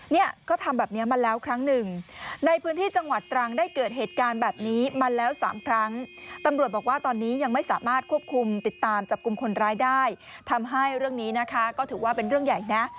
เนี่ยก็ทำแบบนี้มาแล้วครั้งหนึ่งในพื้นที่จังหวัดตรังได้เกิดเหตุการณ์แบบนี้มาแล้วสามครั้งตำรวจบอกว่าตอนนี้ยังไม่สามารถควบคุมติดตามจับกลุ่มคนร้ายได้ทำให้เรื่องนี้นะคะก็ถือว่าเป็นเรื่องใหญ่นะ